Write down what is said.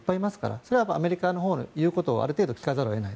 それはアメリカの言うことをある程度、聞かざるを得ない。